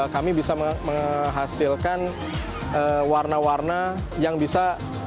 kami bisa menghasilkan warna warna yang bisa